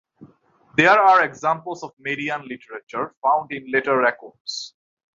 There are examples of "Median literature" found in later records.